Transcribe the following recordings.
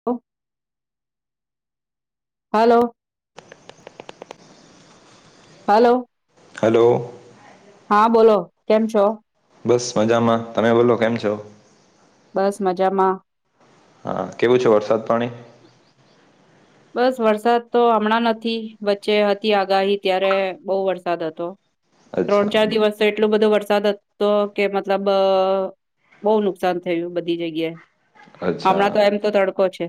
[unintelligible] હાલો. Hello. Hello. હાં બોલો કેમ છો? બસ મજામાં તમે બોલો કેમ છો. બસ મજામાં. હાં કેવું છે વરસાદ પાણી. બસ વરસાદ તો હમણાં નથી વચ્ચે હતી આગાહી ત્યારે બઉ વરસાદ હતો. અચ્છા ત્રણ ચાર બ- દિવસ. તો એટલો બધો વરસાદ હતો કે મતલબ બઉ નુકસાન થયું બધી જગ્યાએ. અચ્છા હમણાં તો એમ તો તડકો છે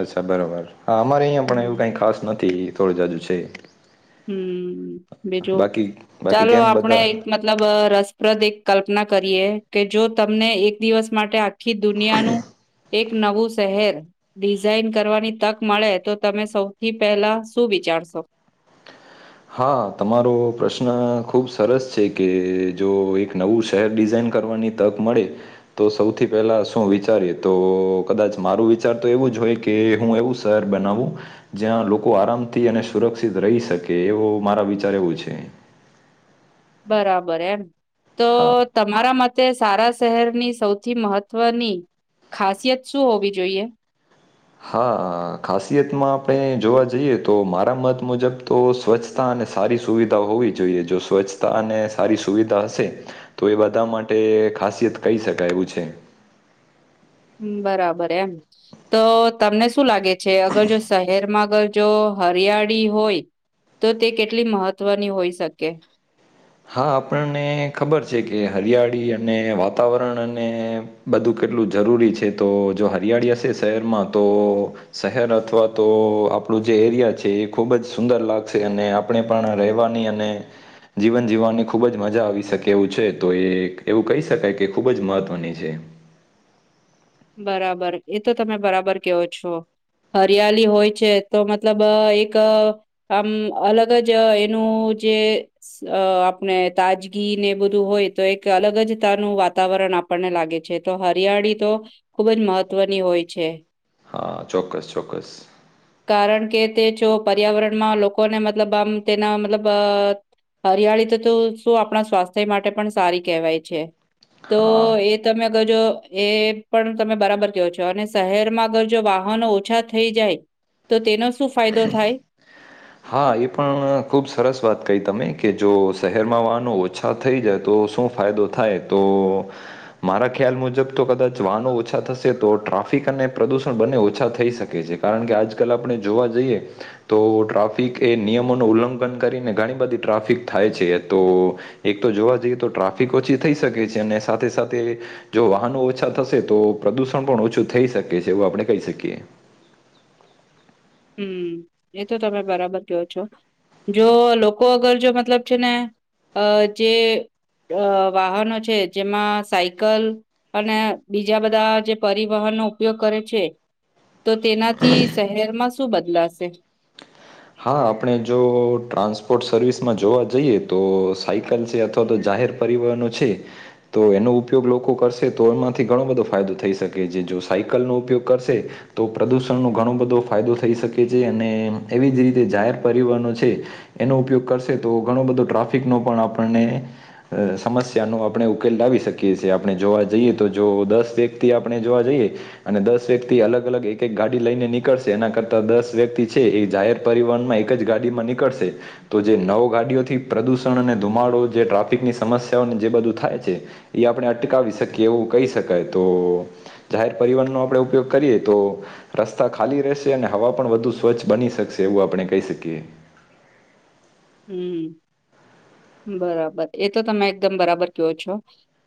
અચ્છા બરાબર. હાં અમારે અહીંયાં પણ હમ એવું કંઈ ખાસ નથી થોડી હજુ છે. હમ્મ બીજું બાકી બાકી ચાલો કેમ આપણે. બધા મતલબ રસપ્રદ એક કલ્પના કરીએ. કે જો તમને એક દિવસ માટે આખી દુનિયાનું એક નવું શહેર ડિઝાઇન કરવાની તક મળે તો તમે સૌથી પહેલાં શું વિચારશો? હાં તમારો પ્રશ્ન ખૂબ સરસ છે કે જો એક નવું શહેર ડિઝાઇન કરવાની તક મળે તો સૌથી પહેલા શું વિચારીએ તો કદાચ મારું વિચાર તો એવું જ હોય કે હું એવું તર બનાવું જ્યાં લોકો આરામથી અને સુરક્ષિત રહી શકે કે એવું મારાં વિચાર એવું છે. બરાબર એમ તો હાં. તો તમારાં મતે સારાં શહેરની સૌથી મહત્વની ખાસિયત શું હોવી જોઈએ? હાં ખાસિયતમાં આપણે જોવા જઈએ તો મારાં મત મુજબ તો સ્વચ્છ તા અને સારી સુવિધા હોવી જોઈએ જો સ્વચ્છ તા અને સારી સુવિધા હશે તો એ બધાં માટે ખાસિયત કહી શકાય એવું છે. હમ્મ બરાબર એમ. તો તમને શું લાગે છે અગર જો શહેરમાં અગર જો હરિયાળી હોય તો તે કેટલી મહત્વની હોય શકે? હાં આપણને ખબર છે કે હરિયાળી અને વાતાવરણ અને બધું કેટલું જરૂરી છે તો જો હરિયાળી હશે શહેરમાં તો શહેર અથવા તો આપડું જે એરિયા છે એ ખુબ જ સુંદર લાગશે અને આપ પણે પણ રહેવાની અને જીવન જીવવાની ખુબ જ મજા આવી શકે એવું છે. તો એ એવું કહી શકાય કે ખુબ જ મહત્વની છે. બરાબર, એ તો તમે બરાબર કેવો છો. હરિયાલી હોય છે. તો મતલબ અ એક આમ અલગ જ અઅ એનું જે સ અ આપણે તાજગી ને બધું હોય તો અલગ જ તાનું વાતાવરણ આપ પણને લાગે છે તો હરિયાળી તો ખુબ જ મહત્વની હોય છે. હાં ચોક્કસ ચોક્કસ. કારણ કે તે જો પર્યાવરણમાં લોકોને મતલબ આમ તેના મતલબ અઅ હરિયાળી ત તો શું આપણાં સ્વાસ્થ્ય માટે પણ સારી કહેવાય છે તો હા એ તમે અગર જો એ પણ તમે બરાબર કહો છો. અને શહેરમાં અગર જો વાહનો ઓછા થઈ જાય તો તેનો શું ફાયદો થાય? હા એ પણ ખૂબ સરસ વાત કહી તમે જો શહેરમાં વાહનું ઓછા થઈ જાય તો શું ફાયદો થાય તો મારા ખ્યાલ મુજબ તો કદાચ વાહનો ઓછા થશે તો ટ્રાફિક અને પ્રદુષણ બંને ઓછા થશે થઈ શકે છે કારણ કે આજકાલ આપણે જોવા જઈએ તો ડ્રાફ ટ્રાફિક એ નિયમોનું ઉલ્લંઘન કરીને ઘણી બધી ટ્રાફિક થાય છે તો એક તો જોવા જઈએ તો ટ્રાફિક ઓછી થઈ શકે છે અને સાથે સાથે જો વાહનો ઓછા થશે તો પ્રદુષણ પણ ઓછું થઈ શકે છે એવું આપણે કહી શકીએ. હમ એ તો તમે બરાબર કયો છો. જો લોકો અગર જો મતલબ છે ને અ જે અ વાહનો છે જેમાં સાયકલ અને બીજા બધા જે પરિવહનનો ઉપયોગ કરે છે. તો તેનાથી શહેરમાં શું બદલાશે? હા આપણે જો ટ્રાન્સપોટ સર્વિસમાં જોવા જઈએ તો સાયકલ છે અથવા તો જાહેર પરિવહનો છે તો એનો ઉપયોગ લોકો કરશે તો એમાંથી ઘણો બધો ફાયદો થઈ શકે જે જો સાયકલનો ઉપયોગ કરશે તો પ્રદૂષણનો ઘણો બધો ફાયદો થઈ શકે છે અને એવી જ રીતે જાહેર પરિવહનો છે એનો ઉપયોગ કરશે તો ઘણો બધો ટ્રાફિક નો પણ આપણને અ, સમસ્યાનો આપણે ઉકેલ લાવી શકીએ છીએ આપણે જોવા જઈએ તો જો દસ વ્યક્તિ આપણે જોવા જઈએ અને દસ વ્યક્તિ અલગ અલગ એક એક ગાડી લઈને નીકળશે એના કરતા દસ વ્યક્તિ છે એ જાહેર એક ગાડીમાં નીકળશે તો જે નવો ગાડીઓથી પ્રદુષણ અને ધુમાડો જે ટ્રાફિકની સમસ્યાઓને જે બધું થાય છે એ આપણે અટકાવી શકીએ એવું કહી શકાય તો જાહેર પરિવહનનો આપડે ઉપયોગ કરીએ તો રસ્તા ખાલી રહેશે અને હવા પણ વધુ સ્વચ્છ બની શકે વું આપણે કહી શકીએ હમ બરાબર એ તો તમે એકદમ બરાબર કો છો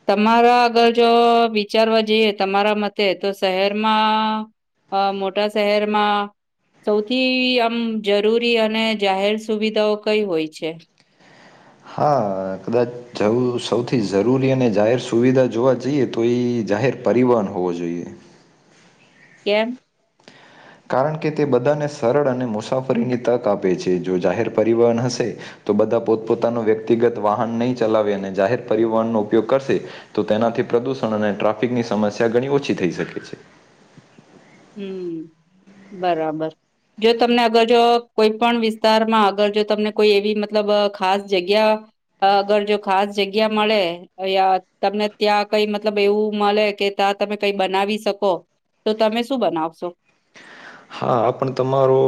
તમારા અગર જો વિચારવા જઈએ તમારા મતે તો શહેરમાં અ મોટા શહેરમાં સૌથી આમ જરૂરી અને જાહેર સુવિધાઓ કઈ હોય છે હા કદાચ જ સૌથી જરૂરી અને જાહેર સુવિધા જોવા જઈએ તો એ જાહેર પરિવહન હોવો જોઈએ કેમ કારણ કે તે બધાને સરળ અને મુસાફરીની તક આપે છે જો જાહેર પરિવહન હશે તો બધા પોતપોતાનો વ્યક્તિગત વાહન નહી ચલાવે અને જાહેર પરિવહનનોો ઉપયોગ કરશે તો તેનાથી પ્રદુષણ અને ટ્રાફિકની સમસ્યા ઘણી ઓછી થઈ શકે છે હમ બરાબર જો તમને અગર જો કોઈ પણ વિસ્તારમાં અગર જો તમને કોઈ એવી મતલબ ખાસ જગ્યા અગર જો ખાસ જગ્યા મળે અ તમને ત્યાં કઈ મતલબ એવું મળે કે ત્યાં તમે કઈ બનાવી શકો તો તમે શું બનાવશો હા પણ તમારો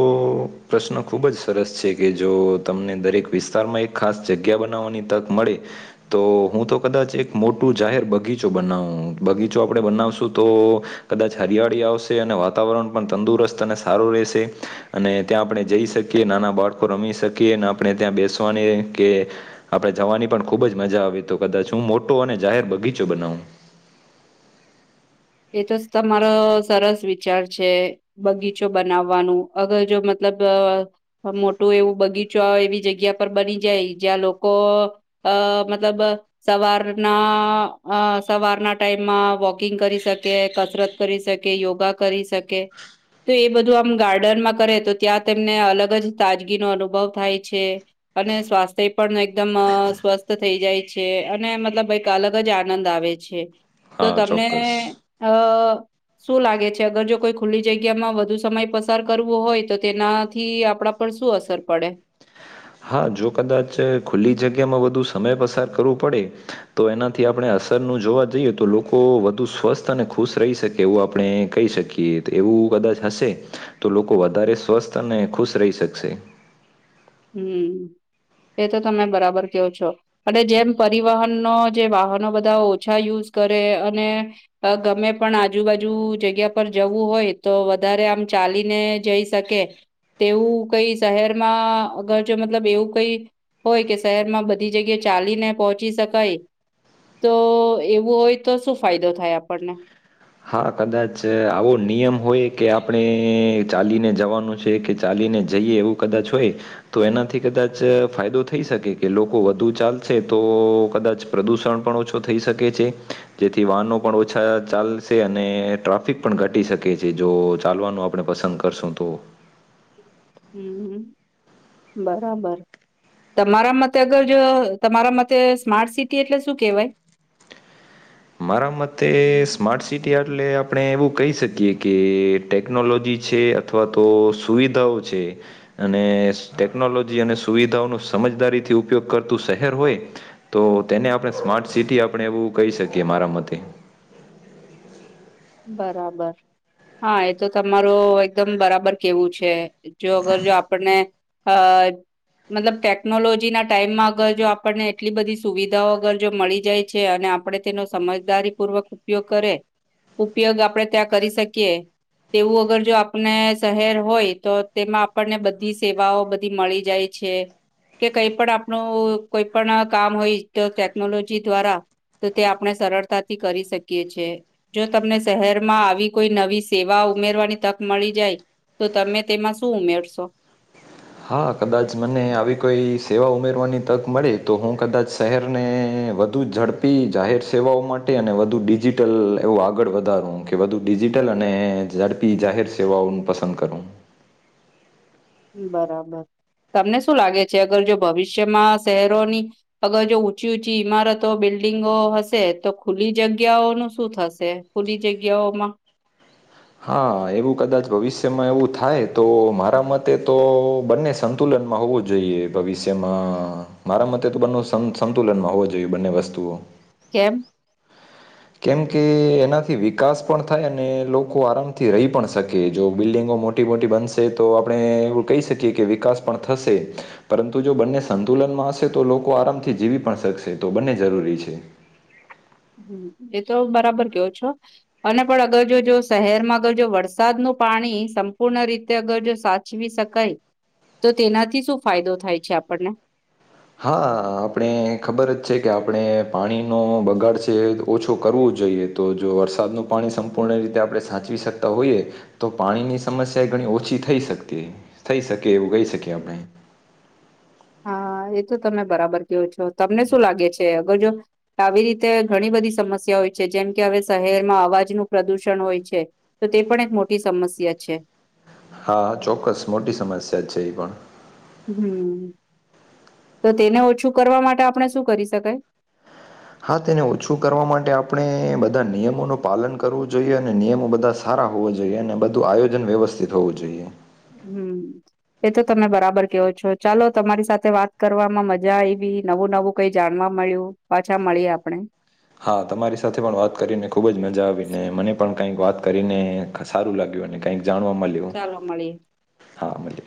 પ્રશ્ન ખૂબ જ સરસ છે કે જો તમને દરેક વિસ્તારમાં એક ખાસ જગ્યા બનાવવાની તક મળે તો હું તો કદાચ એક મોટું જાહેર બગીચો બનાવું બગીચો આપણે બનાવશું તો કદાચ હરિયાળી આવશે અને વાતાવરણ પણ તંદુરસ્ત તને સારો રહેશે અને ત્યાં આપણે જઈ શકીએ નાના બાળકો રમી શકીએ કે ના આપણે ત્યા બેસવાની કે આપડણે જવાની પણ ખુબ જ મજા આવી કદાચ હું મોટો અને બગીચો બનાવું એ તો જ તમારો સરસ વિચાર છે બગીચો બનાવવાનું અગર જો મતલબ મોટું એવું બગીચો એવી જગ્યા પર બની જાય જ્યાં લોકો અ મતલબ સવારના સવારના ટાઈમમાં વોકિંગ [inaudible] કસરત કરી શકે યોગા કરી શકે તો એ બધું આમ ગાર્ડનમાં કરે તો ત્યાં તેમને અલગ જ તાજગી નો અનુભવ થાય છે અને સ્વાસ્થ્ય પણ એકદમ સ્વસ્થ થઈ જાય છે અને મતલબ એક અલગ જ આનંદ આવે છે છે તો હા ચોક્કસ તમને અ શું લાગે છે અગર જો કોઈ ખુલ્લી જગ્યામાં વધુ સમય પસાર કરવો હોય તો તેનાથી આપડા પણ શું અસર પડે હા જો કદાચ ખુલ્લી જગ્યામાં વધુ સમય પસાર કરવું પડે તો એનાથી આપણે અસરનું જોવા જઈએ તો લોકો વધુ સ્વસ્થ અને ખુશ રહી શકે એવું આપણે કહી શકીએ એ તેવું કદાચ હશે તો લોકો વધારે સ્વસ્થ અને ખુશ રહી શકશે. હમ એ તો તમે બરાબર કેવ છો. અને જેમ પરિવહનનો જે વાહનો બધા ઓછા યુઝ કરે અને અ ગમે પણ આજુબાજુ જગ્યા પર જવું હોય તો વધારે આમ ચાલીને જઈ શકે તેવું કઈ શહેરમાં અગર જો મતલબ એવું કઈ હોય કે શહેરમાં બધી જગ્યાએ ચાલીને પહોંચી શકાય તો એવું હોય તો શું ફાયદો થાય આપણને હા કદાચ આવો નિયમ હોય કે આપણે ચાલીને જવાનું છે કે ચાલી ને જઈએ એવું કદાચ હોય. તો એનાથી કદાચ ફાયદો થઈ શકે કે લોકો વધુ ચાલશે તો કદાચ પ્રદૂષણ પણ ઓછુ થઈ શકે છે જેથી વાહનો પણ ઓછા ચાલ છે અને ટ્રાફિક પણ ઘટી શકે છે જો ચાલવાનું આપણે પસંદ કરશું તો હમ હ બરાબર તમારા મતે અગર જો તમારા માટે સ્માર્ટ સિટી એટલે શું કેવાય? મારા મતે સ્માર્ટ સિટી એટલે આપણે એવું કહી શકીએ કે ટેકનોલોજી છે અથવા તો સુવિધાઓ છે. અને ટેકનોલોજી અને સુવિધાઓનો સમજદારીથી ઉપયોગ કરતું શહેર હોય તો તેને આપણે સ્માર્ટ સિટી આપણે એવું કહી શકીએ મારા મતે બરાબર હા એ તો તમારું એકદમ બરાબર કેવું છે જો અગર જો આપણને અ મતલબ ટેકનોલોજીના ટાઈમમાં અગર જો આપણને એટલી બધી સુવિધાઓ અગર જો મળી જાય છે અને આપણે તેનો સમજદારી પૂર્વક ઉપયોગ કરે ઉપયોગ આપણે ત્યાં કરી શકીએ તેવું અગર જો આપને શહેર હોય તો તેમાં આપણને બધી સેવાઓ બધી મળી જાય છે કે કઈ પણ આપણું કોઈ પણ કામ હોય તો ટેકનોલોજી દ્વારા તો તે આપણે સરળતાથી કરી શકીએ છે. જો તમને શહેરમાં આવી કોઈ નવી સેવા ઉમેરવાની તક મળી જાય તો તમે તેમાં શું ઉમેરશો? હા કદાચ મને આવી કોઈ સેવા ઉમેરવાની તક મળે તો હું કદાચ શહેરને વધું ઝડપી જાહેર સેવાઓ માટે અને વધુ ડિજિટલ એવું આગળ વધારુ ઊ કે વધુ ડિજિટલ અને ઝડપી જાહેર સેવાઓ હું પસંદ કરું બરાબર તમને શું લાગે છે અગર જો ભવિષ્યમાં શહેરોની અગર જો ઊંચી ઊંચી ઈમારતો બિલ્ડિંગો હશે તો ખુલ્લી જગ્યાઓનું શું થશે ખુલી જગ્યાઓમાં હા એવું કદાચ ભવિષ્યમાં એવું થાય તો મારા મતે તો બંને સંતુલનમાં હોવું જોઈએ ભવિષ્યમાં મારા મતે તો બંને સંતુ સંતુલનમાં હોવા જો જોયે બંને વસ્તુઓ કેમ કેમ કે એનાથી વિકાસ પણ થાય અને લોકો આરામથી રહી પણ શકે જો બિલ્ડિંગો મોટી મોટી મોટી બનશે તો આપણે એવું કહી શકીએ કે વિકાસ પણ થશે પરંતુ જો બંને સંતુલનમાં હશે તો લોકો આરામથી જીવી પણ શકશે તો બંને જરૂરી છે. હમ એ તો બરાબર કયો છો. અને પણ અગર જો જો શહેરમાં અગર જો વરસાદનું પાણી સંપૂર્ણ રીતે અગર જો સાત સાચવી શકાય તો તેનાથી શું ફાયદો થાય છે આપણને હા આપણે ખબર જ છે કે આપણે પાણીનો બગાડ છે ઓછો કરવું જ જોઈએ તો જો વરસાદનું પાણી સંપૂર્ણ રીતે આપણે સાચવી શકતા હોઈએ તો પાણી ની સમસ્યા ઘણી ઓછી થઈ શકતી થઈ શકે એવું કહી શકીએ આપણે હા એ તો તમે બરાબર કેવો છો તમને શું લાગે છે અગર જો આવી રીતે ઘણી બધી સમસ્યા હોય છે જેમ કે હવે શહેરમાં અવાજ નું પ્રદુષણ હોય છે તો તે પણ એક મોટી સમસ્યા છે. હા ચોક્કસ મોટી સમસ્યા જ છે એ પણ હમ તો તેને ઓછું કરવા માટે આપણે શું કરી શકાય હા તેને ઓછું કરવા માટે આપણે બધા નિયમોનું પાલન કરવું જોઈએ અને નિયમો બધા સારા હોવા જોઈએ અને બધું આયોજન વ્યવસ્થિત હોવું જોઈએ હમ્મ.. એ તો તમે બરાબર કેવો છો ચાલો તમારી સાથે વાત કરવામાં મજા આવી નવું નવું કઈ જાણવા મળ્યું પાછા મળી આપણે હા તમારી સાથે પણ વાત કરીને ખૂબ જ મજા આવીને મને પણ કંઈક વાત કરીને સારુ લાગ્યું અને કાઈક જાણવા મળ્યું ચાલો મળીએ હા મળલ